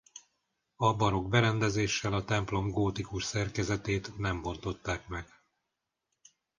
A barokk berendezéssel a templom gótikus szerkezetét nem bontották meg.